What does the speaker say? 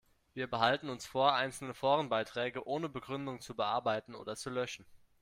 Wir behalten uns vor, einzelne Forenbeiträge ohne Begründung zu bearbeiten oder zu löschen.